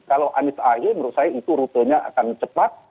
kalau anis ahaya menurut saya itu rutanya akan cepat